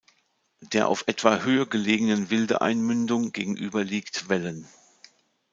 Der auf etwa Höhe gelegenen Wilde-Einmündung gegenüber liegt Wellen.